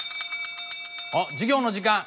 あっ授業の時間。